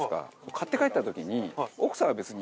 買って帰った時に。